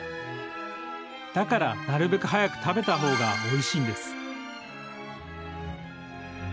だからなるべく早く食べた方がおいしいんです。